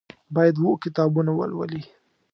باید اووه کتابونه ولولي.